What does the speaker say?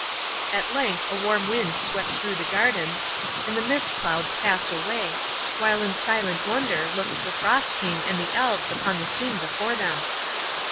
At length a warm wind swept through the gardens, and the mist clouds passed away, while in silent wonder looked the Frost King and the Elves upon the scene before them.